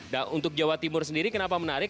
dan untuk jawa timur sendiri kenapa menarik